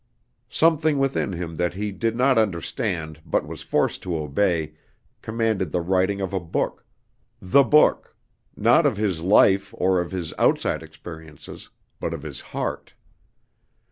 Something within him that he did not understand but was forced to obey, commanded the writing of a book the book, not of his life or of his outside experiences, but of his heart.